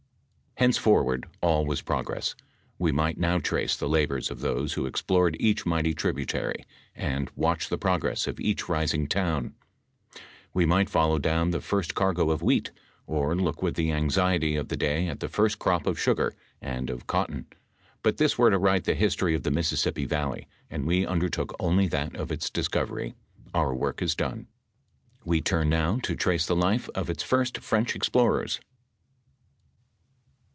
Henceforward all was progress ; we might now trace the labors of those who explored each mighty tributary, and watch the progress of each rising town ; we might follow down the first cargo of wheat, or look with the anxiety of the day at the firet crop of sugar and of cotton ; but this were to write the history of the Mississippi valley, and we undertook only that of its discovery. Our work is done. We turn now to trace the life of its first French explorers.